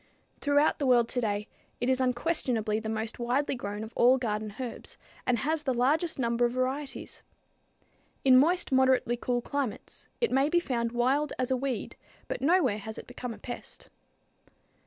Throughout the world today it is unquestionably the most widely grown of all garden herbs, and has the largest number of varieties. In moist, moderately cool climates, it may be found wild as a weed, but nowhere has it become a pest.